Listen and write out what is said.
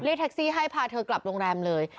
แท็กซี่ให้พาเธอกลับโรงแรมเลย